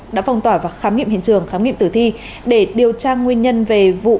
đã phong tỏa và khám nghiệm hiện trường khám nghiệm tử thi để điều tra nguyên nhân về vụ